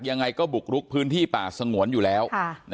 ยังไงก็บุกลุกพื้นที่ป่าสงวนอยู่แล้ว